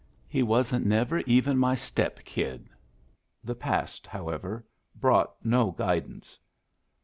He wasn't never even my step kid." The past, however, brought no guidance.